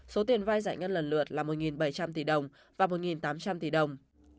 số tiền vai giải ngân lần lượt là một bảy trăm linh tỷ đồng và một tám trăm linh tỷ đồng